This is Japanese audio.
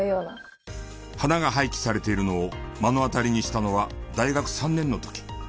花が廃棄されているのを目の当たりにしたのは大学３年の時。